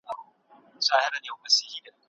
مذاکرات د شخړو یوازینی حل و.